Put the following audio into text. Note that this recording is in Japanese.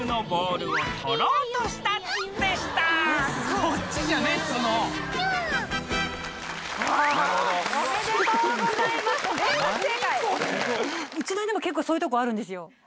うちの犬もそういうとこあるんですよ。